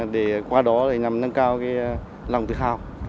để qua đó nâng cao lòng tự hào